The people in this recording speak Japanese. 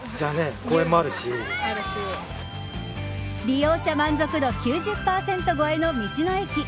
利用者満足度９０％超えの道の駅。